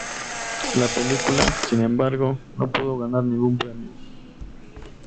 La película, sin embargo, no pudo ganar ningún premio.